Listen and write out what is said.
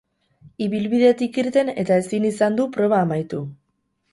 Ibilbidetik irten eta ezin izan du proba amaitu.